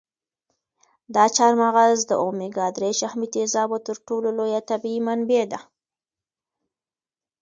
دا چهارمغز د اومیګا درې شحمي تېزابو تر ټولو لویه طبیعي منبع ده.